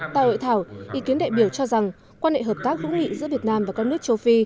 tại hội thảo ý kiến đại biểu cho rằng quan hệ hợp tác hữu nghị giữa việt nam và các nước châu phi